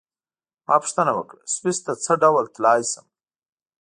ما پوښتنه وکړه: سویس ته څه ډول تلای شم؟